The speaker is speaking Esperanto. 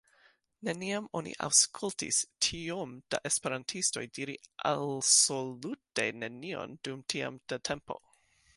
Neniam oni aŭskultis tiom da esperantistoj diri alsolute nenion dum tiam da tempo.